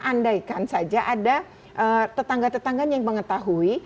andaikan saja ada tetangga tetangganya yang mengetahui